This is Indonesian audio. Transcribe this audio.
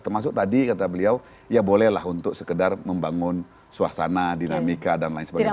termasuk tadi kata beliau ya bolehlah untuk sekedar membangun suasana dinamika dan lain sebagainya